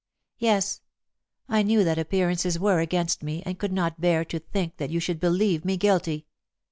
"Yes; I knew that appearances were against me, and could not bear to think that you should believe me guilty.